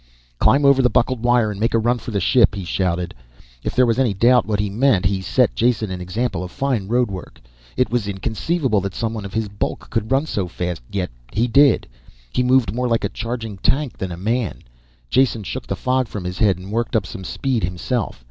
"Climb over the buckled wire and make a run for the ship," he shouted. If there was any doubt what he meant, he set Jason an example of fine roadwork. It was inconceivable that someone of his bulk could run so fast, yet he did. He moved more like a charging tank than a man. Jason shook the fog from his head and worked up some speed himself.